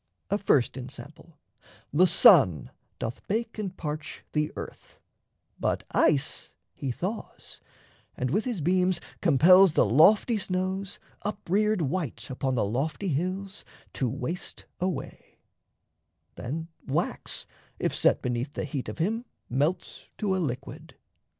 A first ensample: the sun doth bake and parch The earth; but ice he thaws, and with his beams Compels the lofty snows, up reared white Upon the lofty hills, to waste away; Then, wax, if set beneath the heat of him, Melts to a liquid.